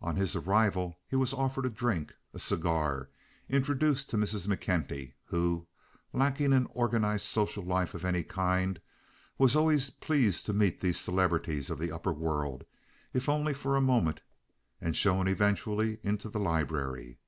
On his arrival he was offered a drink, a cigar, introduced to Mrs. McKenty—who, lacking an organized social life of any kind, was always pleased to meet these celebrities of the upper world, if only for a moment—and shown eventually into the library.